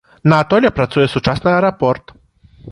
На атоле працуе сучасны аэрапорт.